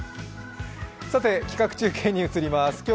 企画中継に移ります。